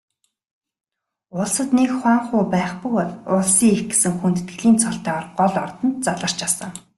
Улсад нэг хуанху байх бөгөөд Улсын эх гэсэн хүндэтгэлийн цолтойгоор гол ордонд заларч асан.